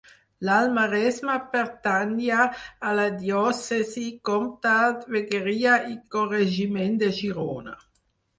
L'Alt Maresme pertanyia a la diòcesi, comtat, vegueria i corregiment de Girona.